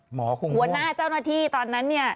หมอคุณหมอหัวหน้าเจ้าหน้าที่ตอนนั้น